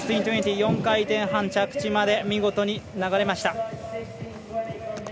１６２０、４回転半着地まで見事に流れました。